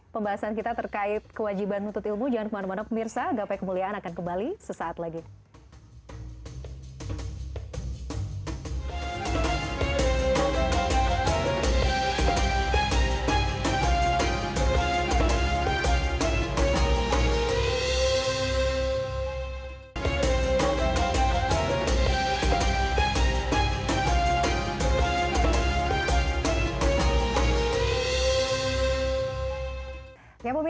pembahasan kita terkait kewajiban untuk ilmu